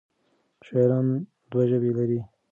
شاعران دوه ژبې لري.